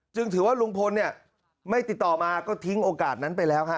ถือว่าลุงพลเนี่ยไม่ติดต่อมาก็ทิ้งโอกาสนั้นไปแล้วฮะ